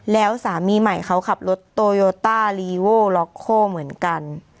แล้วสามีใหม่เขาขับรถโตโยต้าลีโว่ล็อกโคเหมือนกัน